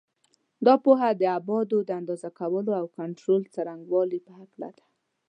دا پوهه د ابعادو د اندازه کولو او کنټرول څرنګوالي په هکله ده.